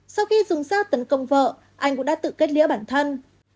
sau khi dùng dao tấn công vợ anh cũng đã tự kết lĩa bản thân